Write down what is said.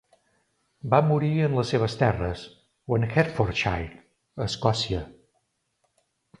Va morir en les seves terres o en Hertfordshire, a Escòcia.